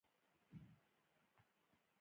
هو، خو روسانو بې حسابه ځمکې درلودې.